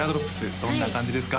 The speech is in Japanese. どんな感じですか？